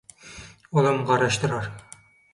Olam garaşdyrar.